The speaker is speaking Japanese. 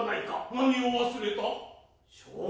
何を忘れた？